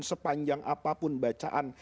sepanjang apapun bacaan